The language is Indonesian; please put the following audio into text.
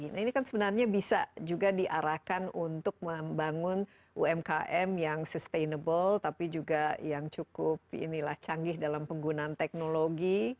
nah ini kan sebenarnya bisa juga diarahkan untuk membangun umkm yang sustainable tapi juga yang cukup canggih dalam penggunaan teknologi